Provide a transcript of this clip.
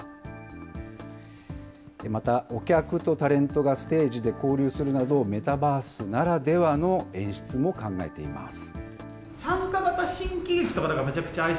また、お客とタレントがステージで交流するなど、メタバースならではの演出も考えています。